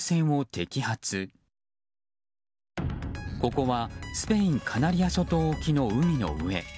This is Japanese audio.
ここはスペインカナリア諸島沖の海の上。